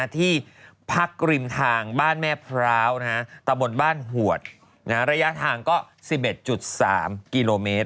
ที่พักริมทางบ้านแม่พร้าวตะบนบ้านหวดระยะทางก็๑๑๓กิโลเมตร